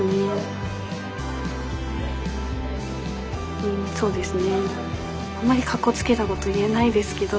うんそうですね。